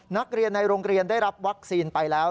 นักเรียนในโรงเรียนได้รับวัคซีนไปแล้ว